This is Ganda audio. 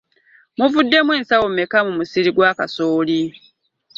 Muvudemu ensawo meka mu musiri gwa kasooli?